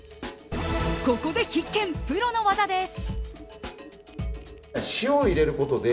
ここで必見、プロの技です。